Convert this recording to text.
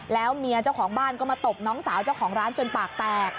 แล้วเมียเจ้าของบ้านก็มาตบน้องสาวเจ้าของร้านจนปากแตก